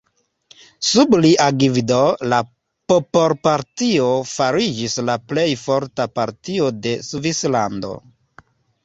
Sub lia gvido la Popolpartio fariĝis la plej forta partio de Svislando.